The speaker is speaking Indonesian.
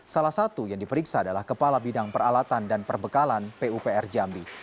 salah satu yang diperiksa adalah kepala bidang peralatan dan perbekalan pupr jambi